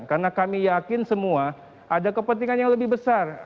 karena kami yakin semua ada kepentingan yang lebih besar